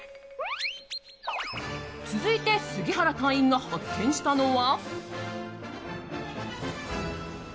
続いて杉原隊員が発見したのは。